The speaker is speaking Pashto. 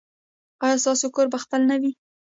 ایا ستاسو کور به خپل نه وي؟